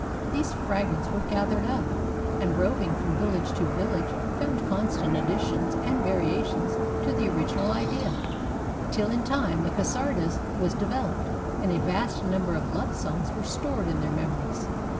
These fragments they gathered up, and roving from village to village found constant additions and variations to the original idea, till in time the csardas was developed and a vast number of love songs were stored in their mem ories.